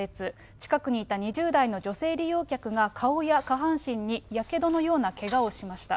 近くにいた２０代の女性利用客が、顔や下半身にやけどのようなけがをしました。